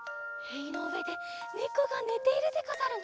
へいのうえでねこがねているでござるな。